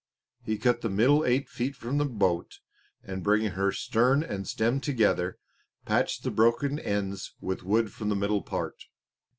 He cut the middle eight feet from the boat, and bringing her stern and stem together patched the broken ends with wood from the middle part.